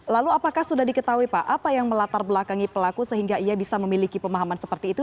lalu apakah sudah diketahui pak apa yang melatar belakangi pelaku sehingga ia bisa memiliki pemahaman seperti itu